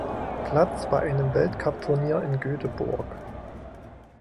Platz bei einem Weltcup-Turnier in Göteborg.